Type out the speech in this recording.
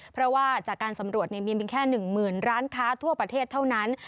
เพราะว่าจากการสำรวจมีเพียงแค่๑๐๐๐ร้านค้าทั่วประเทศเท่านั้น